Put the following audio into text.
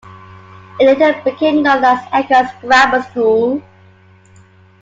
It later became known as Eggar's Grammar School.